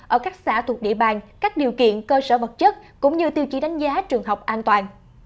ở các xã thuộc địa bàn các điều kiện cơ sở vật chất cũng như tiêu chí đánh giá trường học an toàn